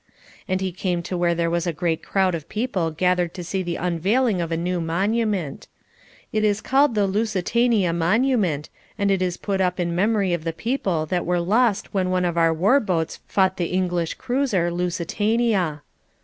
And he came to where there was a great crowd of people gathered to see the unveiling of a new monument. It is called the Lusitania Monument and it is put up in memory of the people that were lost when one of our war boats fought the English cruiser Lusitania.